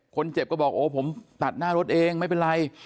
คนเจ็บก็บอกโอ้ผมตัดหน้ารถเองไม่เป็นไร